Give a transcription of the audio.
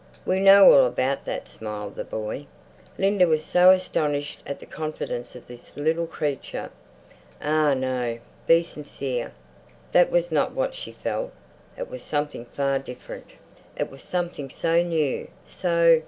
"We know all about that!" smiled the boy. Linda was so astonished at the confidence of this little creature.... Ah no, be sincere. That was not what she felt; it was something far different, it was something so new, so....